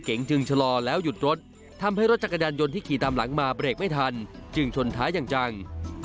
จึงชะลอแล้วหยุดรถทำให้รถจักรยานยนต์ที่ขี่ตามหลังมาเบรกไม่ทันจึงชนท้ายอย่างจัง